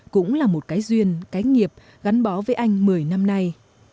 cũng là một cái duyên cái nghiệp gắn bó với anh một mươi năm nay